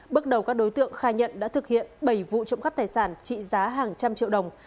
bước đầu các đối tượng khai nhận đã thực hiện bảy vụ trộm cắp tài sản trị giá hàng trăm triệu đồng